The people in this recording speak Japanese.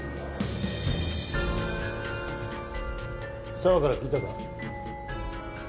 爽から聞いたか？